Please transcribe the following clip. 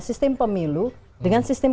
sistem pemilu dengan sistem